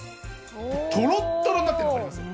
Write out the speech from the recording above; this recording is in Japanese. とろっとろになってるの分かります？